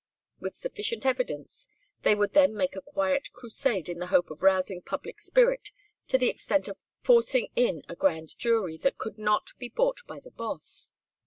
With sufficient evidence they would then make a quiet crusade in the hope of rousing public spirit to the extent of forcing in a grand jury that could not be bought by the Boss.